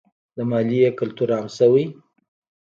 د مالیې کلتور عام شوی؟